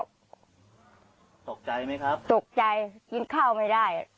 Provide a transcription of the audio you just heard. ตกใจไหมครับตกใจกินข้าวไม่ได้